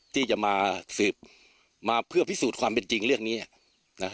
ที่จะมาสืบมาเพื่อพิสูจน์ความเป็นจริงเรื่องนี้นะ